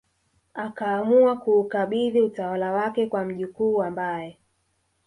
akaamua kuukabidhi utawala wake kwa mjukuu ambaye